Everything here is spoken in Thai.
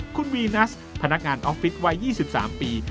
คุณวีนัสพนักงานออฟฟิศวัย๒๓ปี